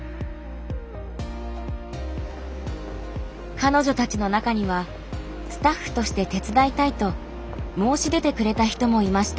彼女たちの中にはスタッフとして手伝いたいと申し出てくれた人もいました。